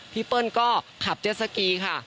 เปิ้ลก็ขับเจสสกีค่ะ